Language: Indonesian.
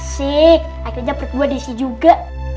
sik akhirnya perut gue diisi juga